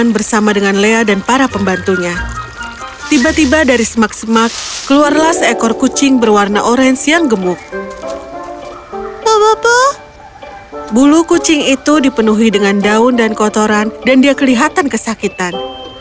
bulu kucing itu dipenuhi dengan daun dan kotoran dan dia kelihatan kesakitan